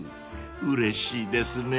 うれしいですね］